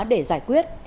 để giải quyết